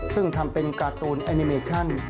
ซึ่งทำเป็นการ์ตูนแอนิเมชั่น